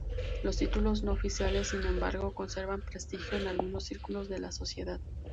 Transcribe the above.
Los títulos no oficiales, sin embargo, conservan prestigio en algunos círculos de la sociedad.